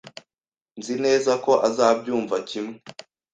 Nzi neza ko azabyumva kimwe.